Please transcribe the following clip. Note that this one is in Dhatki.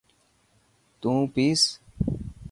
تون پيس.